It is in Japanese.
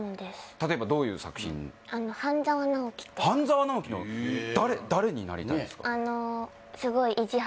例えばどういう作品「半沢直樹」の誰誰になりたいんですか？